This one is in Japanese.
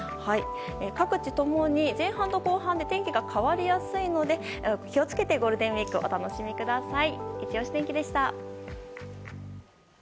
各地ともに、前半と後半で天気が変わりやすいので気を付けて、ゴールデンウィークお楽しみください。